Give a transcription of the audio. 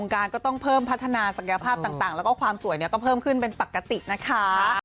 ก็ยังเป็นปกติอยู่ค่ะ